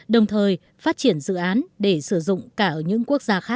đồng thời phát triển dự án để sử dụng cả ở những quốc gia khác